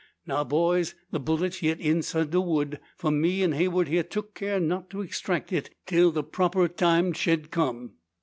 Now, boys! the bullet's yit inside the wud, for me an' Heywood here tuk care not to extract it till the proper time shed come."